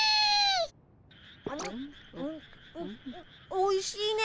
おいしいね